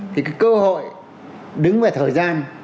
thì cái cơ hội đứng về thời gian